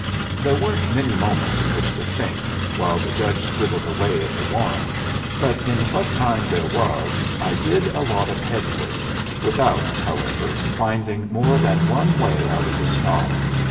There weren't many moments in which to think while the judge scribbled away at the warrant, but in what time there was I did a lot of head work, without, however, finding more than one way out of the snarl.